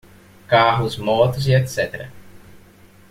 Carros, Motos e etc.